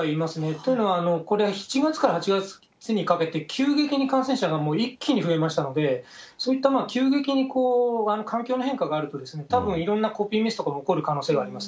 というのは、７月から８月にかけて、急激に感染者が一気に増えましたので、そういった急激に環境の変化があると、たぶん、いろんなコピーミスとかが起こる可能性があります。